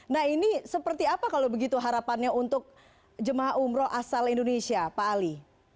nah ini seperti apa kalau begitu harapannya untuk jemaah umroh asal indonesia pak ali